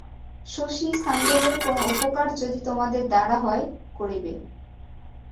শশী সাণ্ডেলের কোন উপকার যদি তোমাদের দ্বারা হয়, করিবে।